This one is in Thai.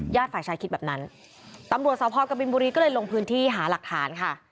ฝ่ายชายคิดแบบนั้นตำรวจสพกบินบุรีก็เลยลงพื้นที่หาหลักฐานค่ะ